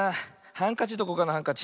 ハンカチどこかなハンカチ。